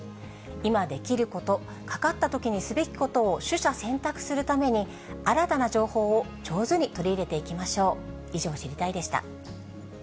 今できること、かかったときにすべきことを取捨選択するために、新たな情報を上手に取り入れていきましょう。